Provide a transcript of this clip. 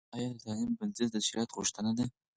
ایا د تعلیم بندیز د شرعیت غوښتنه ده؟